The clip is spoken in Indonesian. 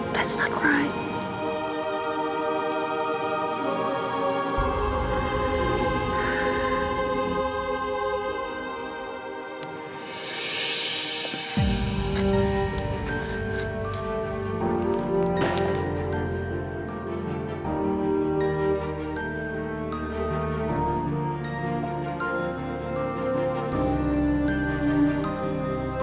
itu bukan benar